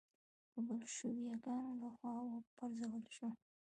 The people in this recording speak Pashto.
د بلشویکانو له خوا و پرځول شو.